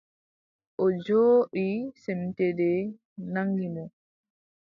O jooɗi, semteende naŋgi mo.